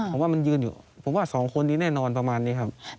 ผมว่ามันยืนอยู่ผมว่าสองคนนี้แน่นอนประมาณนี้ครับ